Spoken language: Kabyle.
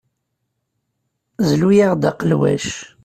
Zlu-aɣ aqelwac.